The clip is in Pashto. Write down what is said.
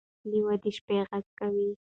لیوه د شپې غږ کوي.